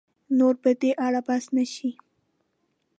نور په دې اړه بحث نه شي